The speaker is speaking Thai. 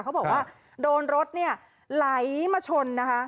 เขาบอกว่าโดนรถเนี่ยไหลมาชนนะคะ